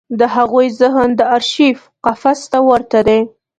د هغوی ذهن د ارشیف قفس ته ورته دی.